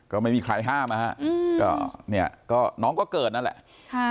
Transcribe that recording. ก็ไม่มีใครห้ามนะคะน้องก็เกิดนั่นแหละค่ะ